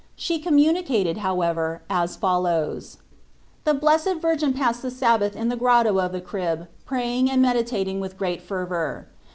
She communicated, however, as follows : The Blessed Virgin passed the Sabbath in the Grotto of the Crib praying and med itating with great fervour.